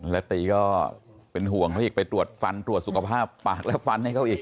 แล้วตีก็เป็นห่วงเขาอีกไปตรวจฟันตรวจสุขภาพปากและฟันให้เขาอีก